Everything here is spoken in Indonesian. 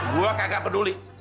gue kagak peduli